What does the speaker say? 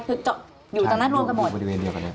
คืออยู่ตรงนั้นรวมกันหมด